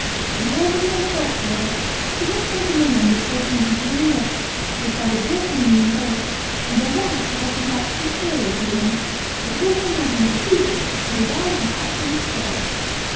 With all his many faults, however, he had something in him which made him be dearly loved, both by the daughter whom he indulged, and the wife who was in fact superior to him, but whom he imagined that he ruled with a wise and absolute sway.